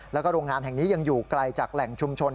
แล้วก็โรงงานแห่งนี้ยังอยู่ไกลจากแหล่งชุมชน